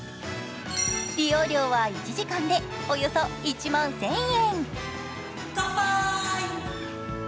利用料は１時間でおよそ１万１０００円。